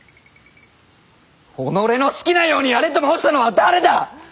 己の好きなようにやれと申したのは誰だ！